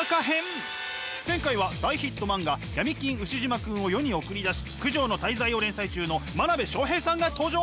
前回は大ヒット漫画「闇金ウシジマくん」を世に送り出し「九条の大罪」を連載中の真鍋昌平さんが登場！